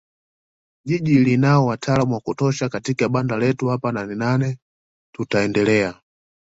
Jiji linao wataalam wa kutosha na katika banda letu hapa Nanenane tutaendelea